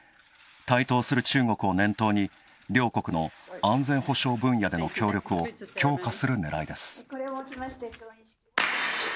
台頭する中国を念頭に両国の安全保障分野での協力を強化するねらいです。